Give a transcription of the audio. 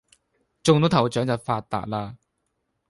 中到頭獎就發達喇